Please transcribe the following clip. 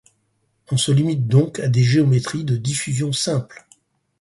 On se limite donc à des géométries de diffusion simples.